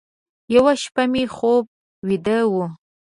یوه شپه مې خوب ویده و،